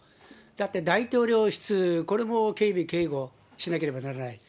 だって、大統領室、これも警備警護しなければならない。